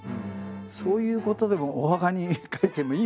そういうことでもお墓に書いてもいいんですか？